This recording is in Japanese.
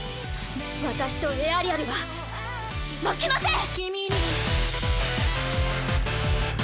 私とエアリアルは負けません！